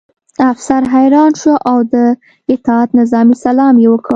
افسر حیران شو او د اطاعت نظامي سلام یې وکړ